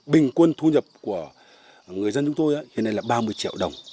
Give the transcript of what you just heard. bình quân thu nhập của người dân chúng tôi hiện nay là ba mươi triệu đồng